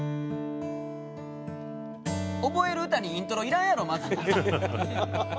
覚える歌にイントロいらんやろまず。